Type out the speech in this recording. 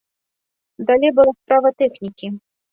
Далей была справа тэхнікі.